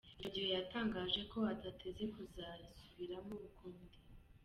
Icyo gihe yatangaje ko adateze kuzarisubiramo ukundi.